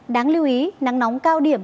đáng lưu ý nắng nóng cao điểm